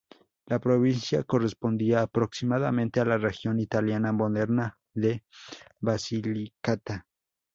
La provincia correspondía aproximadamente a la región italiana moderna de Basilicata.